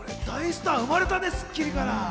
大スター生まれたね、『スッキリ』から。